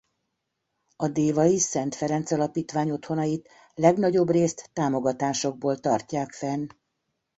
A Dévai Szent Ferenc Alapítvány otthonait legnagyobbrészt támogatásokból tartják fenn.